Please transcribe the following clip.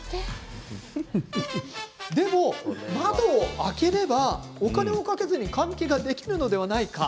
でも窓を開ければお金をかけずに換気ができるのではないか。